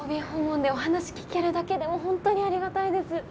ＯＢ訪問でお話聞けるだけでも本当にありがたいです。